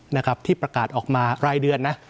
นะครับที่ประกาศออกมารายเดือนนะ